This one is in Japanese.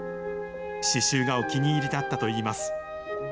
刺しゅうがお気に入りだったといいます。